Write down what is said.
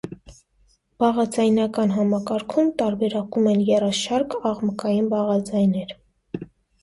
Բաղաձայնական համակարգում տարբերակում են եռաշարք աղմկային բաղաձայններ։